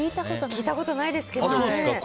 聞いたことないですけどね。